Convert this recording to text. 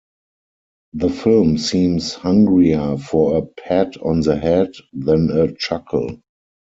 The film seems hungrier for a pat on the head than a chuckle.